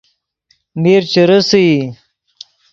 میر چے ریسئی